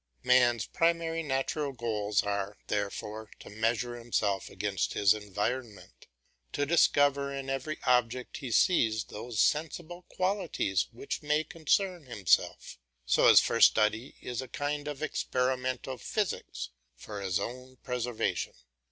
Man's primary natural goals are, therefore, to measure himself against his environment, to discover in every object he sees those sensible qualities which may concern himself, so his first study is a kind of experimental physics for his own preservation.